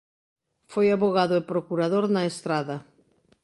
Foi avogado e procurador na Estrada.